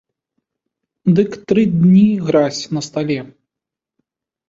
Дык тры дні гразь на стале.